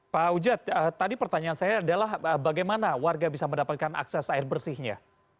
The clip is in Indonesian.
pak ujad tadi pertanyaan saya adalah bagaimana warga bisa mendapatkan akses air bersihnya